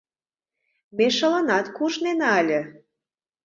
Ме шылынат куржнена ыле.